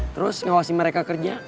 terus ngawasi mereka kerja